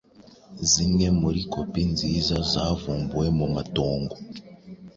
Zimwe muri kopi nziza zavumbuwe mu matongo